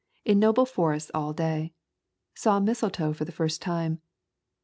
In noble forests all day. Saw mistletoe for the first time.